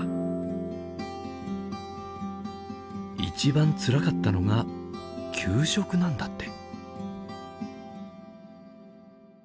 一番つらかったのが給食なんだって。